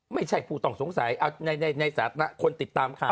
ไม่ใช่ผู้ต้องสงสัยในศาสนาคนติดตามข่าว